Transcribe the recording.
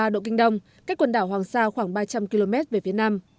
một trăm một mươi một ba độ kinh đông cách quần đảo hoàng sa khoảng ba trăm linh km về phía nam